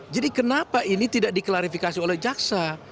jadi kenapa ini tidak diklarifikasi oleh jaksa